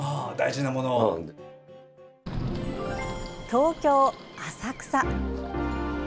東京・浅草。